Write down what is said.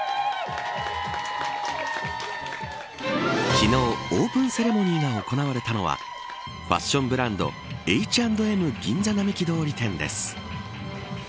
昨日、オープンセレモニーが行われたのはファッションブランドＨ＆Ｍ銀座並木通り店です。